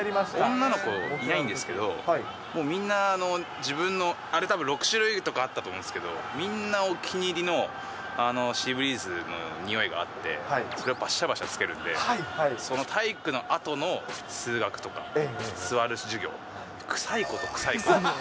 女の子いないんですけど、もうみんな、自分の、あれたぶん６種類とかあったと思うんですけど、みんなお気に入りの、シーブリーズのにおいがあって、それをばしゃばしゃつけるんで、その体育のあとの数学とか、座る授業、臭いこと、臭いこと。